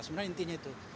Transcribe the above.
sebenarnya intinya itu